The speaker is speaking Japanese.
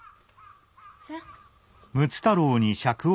さあ。